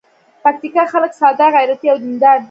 پکتیکا خلک ساده، غیرتي او دین دار دي.